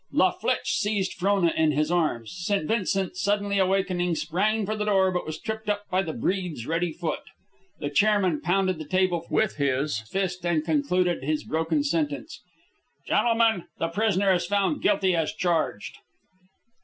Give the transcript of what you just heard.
La Flitche seized Frona in his arms. St. Vincent, suddenly awakening, sprang for the door, but was tripped up by the breed's ready foot. The chairman pounded the table with his fist and concluded his broken sentence, "Gentlemen, the prisoner is found guilty as charged."